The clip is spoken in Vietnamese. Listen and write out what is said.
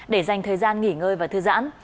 để dành thời gian nghỉ ngơi và thư giãn